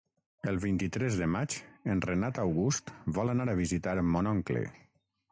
El vint-i-tres de maig en Renat August vol anar a visitar mon oncle.